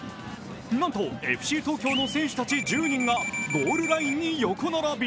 なんとＦＣ東京の選手たち１０人がゴールラインに横並び。